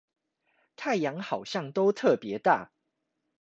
太陽好像都特別大